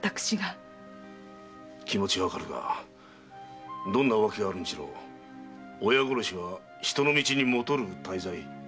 気持はわかるがどんな訳があれ親殺しは人の道にもとる大罪。